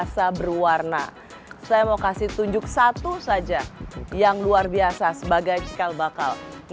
saya berwarna saya mau kasih tunjuk satu saja yang luar biasa sebagai cikal bakal